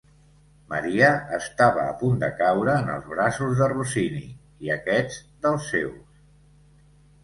Maria estava a punt de caure en els braços de Rossini i aquest dels seus.